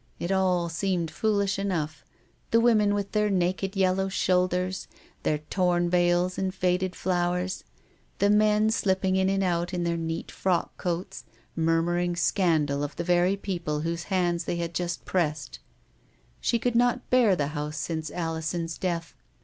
It all seemed foolish enough ; the women with their naked, yellow shoulders, their torn veils and faded flowers, the men slipping in and out in their superb frock coats, murmuring scandal of the very people whose hands they had just pressed. And then, too, she could not bear the house since Alison's death.